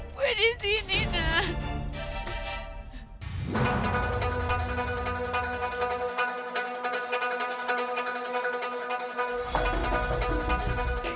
gue di sini nathan